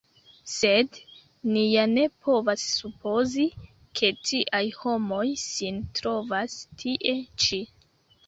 Sed, ni ja ne povas supozi, ke tiaj homoj sin trovas tie ĉi.